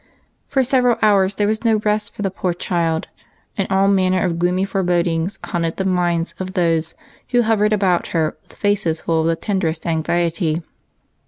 For several hours there was no rest for the poor child, and all manner of gloomy forebod ings haunted the minds of those who hovered about her with faces full of the tenderest anxiety.